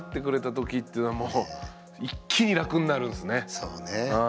そうね。